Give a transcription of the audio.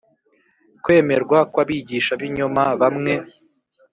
kwemerwa kw'abigisha b'ibinyoma bamwe.